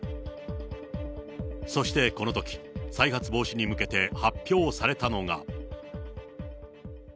そしてこのとき、再発防止に向けて発表されたのが。